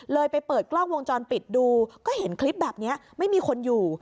ไปเปิดกล้องวงจรปิดดูก็เห็นคลิปแบบนี้ไม่มีคนอยู่